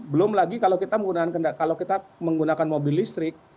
belum lagi kalau kita menggunakan mobil listrik